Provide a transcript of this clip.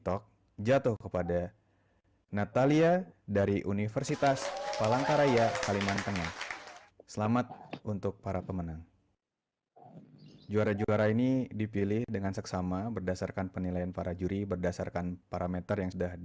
oke bernadetta terima kasih sehat selalu ya bernadetta ya